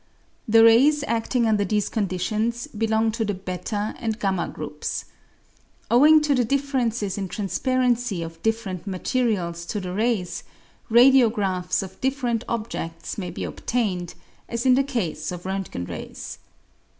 The rays acling under these conditions belong to the /d and v groups. Owing to the difl'erences in transparency of. ditterent materials to the rays, radiographs of dift'erent objeds may be obtained, as in the case of Rontgen rays.